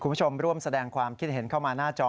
คุณผู้ชมร่วมแสดงความคิดเห็นเข้ามาหน้าจอ